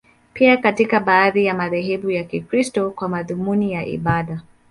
Pia katika baadhi ya madhehebu ya Kikristo, kwa madhumuni ya ibada.